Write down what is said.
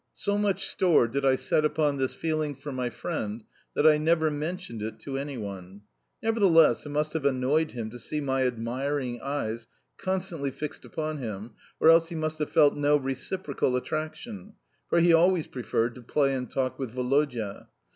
So much store did I set upon this feeling for my friend that I never mentioned it to any one. Nevertheless, it must have annoyed him to see my admiring eyes constantly fixed upon him, or else he must have felt no reciprocal attraction, for he always preferred to play and talk with Woloda.